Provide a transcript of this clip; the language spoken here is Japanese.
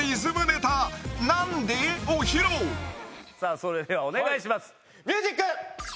それではお願いします！